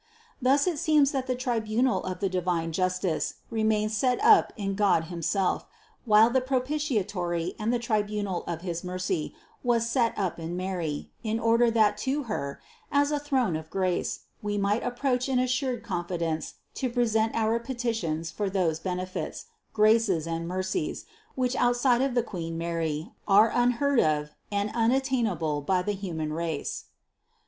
Thus it seems that the tribunal of the divine justice remains set up in God himself, while the propitiatory and the tri bunal of his mercy was set up in Mary, in order that to Her, as a throne of grace, we might approach in assured confidence to present our petitions for those benefits, graces and mercies, which outside of the Queen Mary, are unheard of and unattainable by the human race.